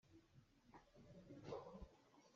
Hrompuar a ngei.